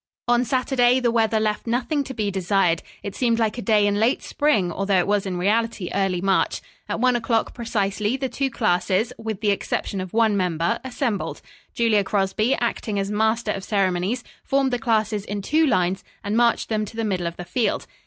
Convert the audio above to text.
On Saturday the weather left nothing to be desired. It seemed like a day in late spring, although it was in reality early March. At one o'clock precisely the two classes, with the exception of one member, assembled. Julia Crosby acting as master of ceremonies, formed the classes in two lines, and marched them to the middle of the field.